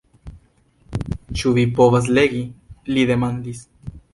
Ĉu vi povas legi? li demandis.